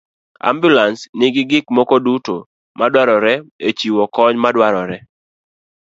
Ambulans nigi gik moko duto madwarore e chiwo kony madwarore.